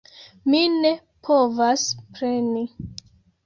Mi ne povas preni!